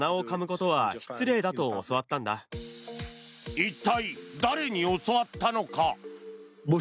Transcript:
一体、誰に教わったのか。